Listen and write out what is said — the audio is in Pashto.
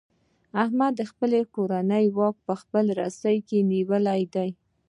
احمد د خپلې کورنۍ واک په خپله رسۍ کې نیولی دی.